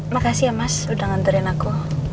makasih ya mas udah nganterin aku